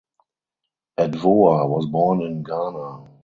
Adwoa was born in Ghana.